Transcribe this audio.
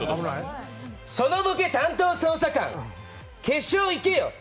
そのボケ担当捜査官、決勝行けよ。